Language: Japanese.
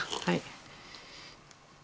はい。